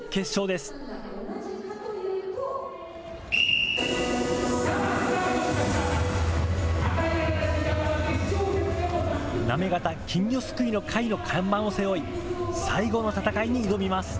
行方金魚すくいの会の看板を背負い、最後の戦いに挑みます。